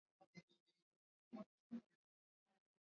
madonda ya mviringo iliyoathiriwa na mashilingi na mapunye